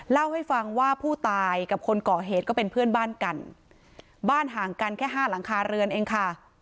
เล่าให้ฟังว่าผู้ตายกับคนก่อเหตุก็เป็นเพื่อนบ้านกันบ้านห่างกันแค่ห้าหลังคาเรือนเองค่ะ